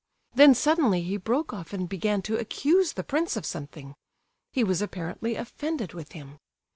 Then suddenly he broke off and began to accuse the prince of something; he was apparently offended with him.